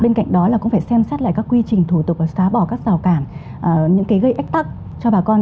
bên cạnh đó là cũng phải xem xét lại các quy trình thủ tục và xóa bỏ các rào cản những cái gây ách tắc cho bà con